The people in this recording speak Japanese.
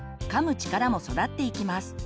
力も育っていきます。